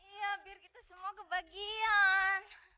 iya biar gitu semua kebagian